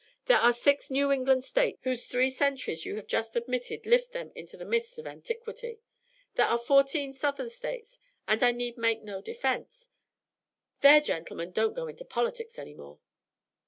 There are six New England States whose three centuries you have just admitted lift them into the mists of antiquity. There are fourteen Southern States, and I need make no defence " "Their gentlemen don't go into politics any more."